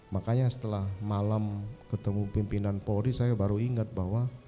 makanya setelah malam ketemu pimpinan polri saya baru ingat bahwa